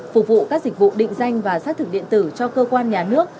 phục vụ các dịch vụ định danh và xác thực điện tử cho cơ quan nhà nước